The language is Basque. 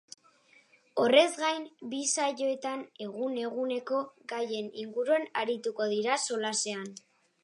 Horrez gain, bi saioetan, egun-eguneko gaien inguruan arituko dira solasean.